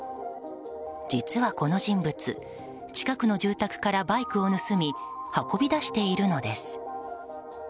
実は、この人物近くの住宅からバイクを盗み運び出しているのです。